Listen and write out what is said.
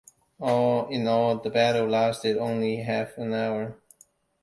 All in all, the battle lasted only half an hour.